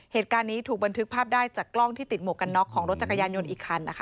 เหตุการณ์นี้ถูกบันทึกภาพได้จากกล้องที่ติดหมวกกันน็อกของรถจักรยานยนต์อีกคันนะคะ